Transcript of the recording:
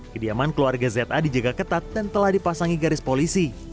kediaman keluarga za dijaga ketat dan telah dipasangi garis polisi